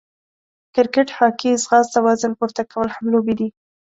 کرکېټ، هاکې، ځغاسته، وزن پورته کول هم لوبې دي.